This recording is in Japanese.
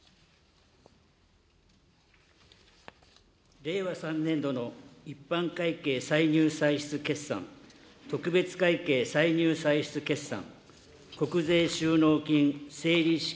令和３年度の一般会計歳入歳出決算、特別会計歳入歳出決算、国税収納金整理資金